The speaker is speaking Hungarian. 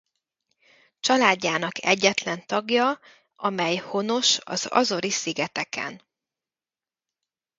Családjának egyetlen tagja amely honos az Azori-szigeteken.